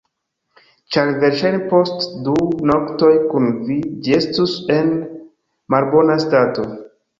Ĉar verŝajne post du noktoj kun vi ĝi estus en malbona stato.